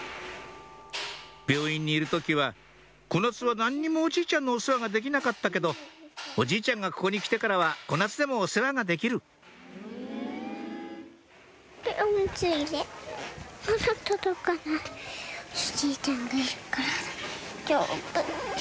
「病院にいる時は小夏は何にもおじいちゃんのお世話ができなかったけどおじいちゃんがここに来てからは小夏でもお世話ができる」とどかない。